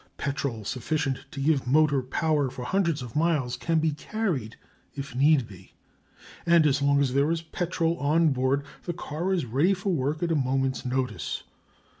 Petrol sufficient to give motive power for hundreds of miles can be carried if need be; and as long as there is petrol on board the car is ready for work at a moment's notice.